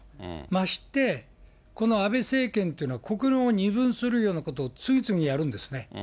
まして、この安倍政権っていうのは国論を二分するようなことを次々にやるんですね。